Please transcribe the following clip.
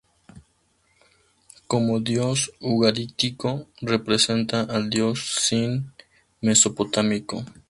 Como dios ugarítico, representa al dios Sin mesopotámico.